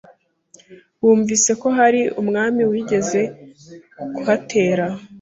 wumvise ko hari umwami wigeze kuhatera?”